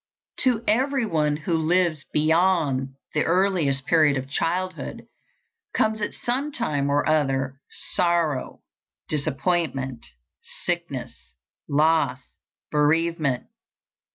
To everyone who lives beyond the earliest period of childhood, comes at some time or other sorrow, disappointment, sickness, loss, bereavement.